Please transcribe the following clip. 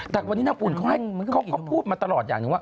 แต่วันนี้นักอุ่นเขาพูดมาตลอดอย่างนึง